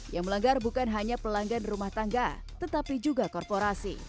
yang melanggar bukan hanya pelanggan rumah tangga tetapi juga korporasi